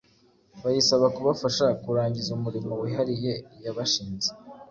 bayisaba kubafasha kurangiza umurimo wihariye yabashinze.